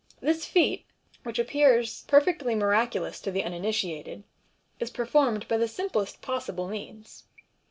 This feat, which appears perfectly miraculous to the uninitiated, is performed by the simplest possible means.